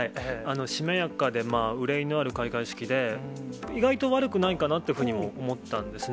しめやかで憂いのある開会式で、意外と悪くないかなっていうふうにも思ったんですね。